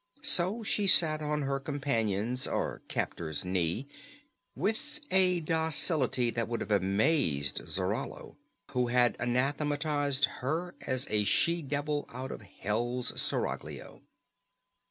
So she sat on her companion's or captor's knee with a docility that would have amazed Zarallo, who had anathematized her as a she devil out of hell's seraglio.